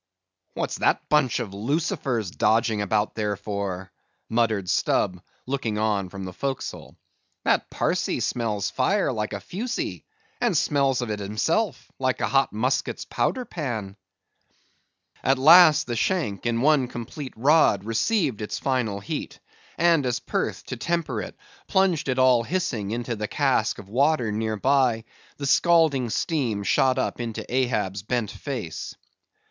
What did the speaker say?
"What's that bunch of lucifers dodging about there for?" muttered Stubb, looking on from the forecastle. "That Parsee smells fire like a fusee; and smells of it himself, like a hot musket's powder pan." At last the shank, in one complete rod, received its final heat; and as Perth, to temper it, plunged it all hissing into the cask of water near by, the scalding steam shot up into Ahab's bent face.